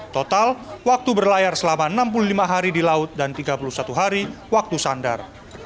total waktu berlayar selama enam puluh lima hari di laut dan tiga puluh satu hari waktu sandar